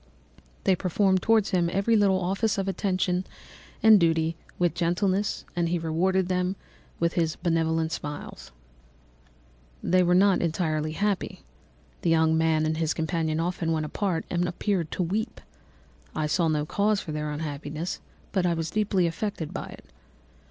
They performed towards him every little office of affection and duty with gentleness, and he rewarded them by his benevolent smiles. "They were not entirely happy. The young man and his companion often went apart and appeared to weep. I saw no cause for their unhappiness, but I was deeply affected by it.